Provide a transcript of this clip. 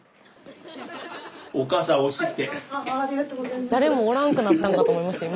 スタジオ誰もおらんくなったんかと思いました今。